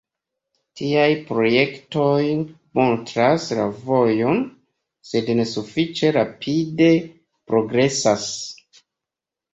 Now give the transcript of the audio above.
Tiaj projektoj montras la vojon, sed ne sufiĉe rapide progresas.